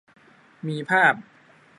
มีภาพ